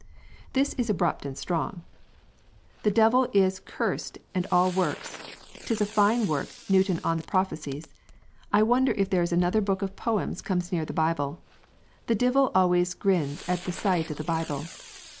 This is abrupt and strong: "The Divil is curced and all works. 'Tis a fine work 'Newton on the profecies.' I wonder if there is another book of poems comes near the Bible. The Divil always girns at the sight of the Bible."